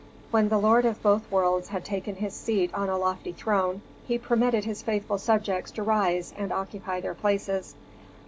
When the lord of both worlds had taken his seat on a lofty throne, he permitted his faithful subjects to rise and occupy their places.